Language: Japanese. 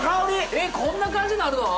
えこんな感じになるの？